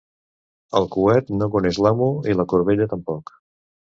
El coet no coneix l'amo i la corbella, tampoc.